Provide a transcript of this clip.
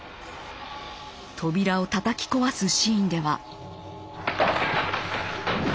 扉をたたき壊すシーンでは。